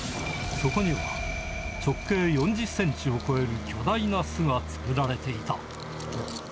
そこには、直径４０センチを超える巨大な巣が作られていた。